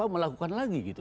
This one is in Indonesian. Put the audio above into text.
melakukan lagi gitu